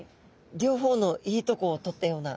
両方のいいとこを取ったような。